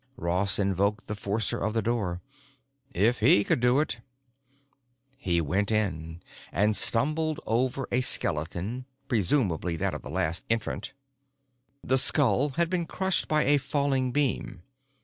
Ross invoked the forcer of the door. If he could do it.... He went in and stumbled over a skeleton, presumably that of the last entrant. The skull had been crushed by a falling beam.